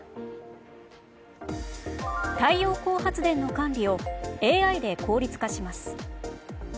太陽光発電の管理をＡＩで効率化します。